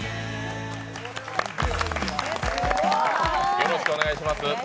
よろしくお願いします。